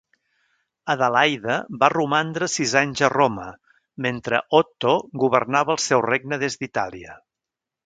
Adelaida va romandre sis anys a Roma, mentre Otto governava el seu regne des d'Itàlia.